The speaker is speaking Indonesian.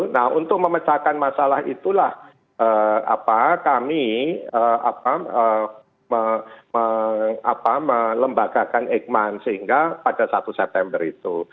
nah untuk memecahkan masalah itulah kami melembagakan eijkman sehingga pada satu september itu